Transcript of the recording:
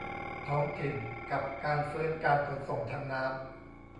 ท้องถิ่นกับการฟื้นการขนส่งทางน้ำ